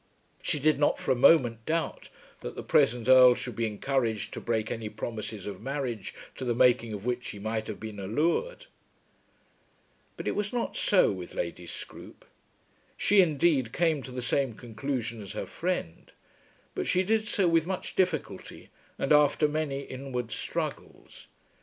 She did not for a moment doubt that the present Earl should be encouraged to break any promises of marriage to the making of which he might have been allured. But it was not so with Lady Scroope. She, indeed, came to the same conclusion as her friend, but she did so with much difficulty and after many inward struggles.